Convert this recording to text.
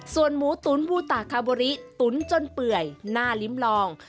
ส่วนหมูตุ๋นบูตาคาโบริตุ๋นจนเปื่อยหน้าลิ้มลอง